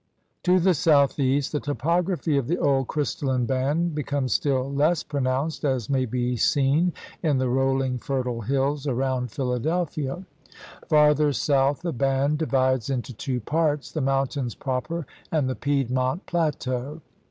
To the southeast the topography of the old crystalline band becomes still less pronounced, as may be seen in the rolling, fertile hills around Philadelphia. Farther south the band divides into two parts, the mountains proper and the Piedmont plateau.